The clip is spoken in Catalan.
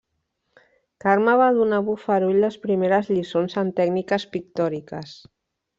Carme va donar a Bofarull les primeres lliçons en tècniques pictòriques.